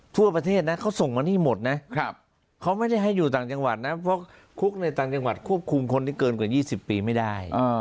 ทั่วประเทศนะเขาส่งมานี่หมดนะเขาไม่ได้ให้อยู่ต่างจังหวัดนะเพราะคุกในต่างจังหวัดควบคุมคนที่เกินกว่า๒๐ปีไม่ได้